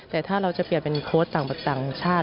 แต่ถ้าเราจะเปลี่ยนเป็นโค้ชต่างชาติ